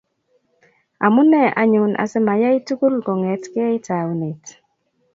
Amune anyun asimayai tugul kongetkei taunet